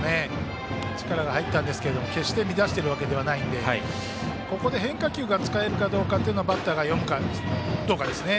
力が入ったんですが決して乱しているわけじゃないのでここで変化球が使えるかどうかというのがバッターが読むかどうかですね。